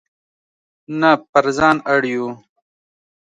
نه پر ځان اړ یو.